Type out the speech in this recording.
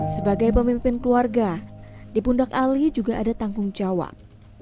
sebagai pemimpin keluarga di pundak ali juga ada tanggung jawab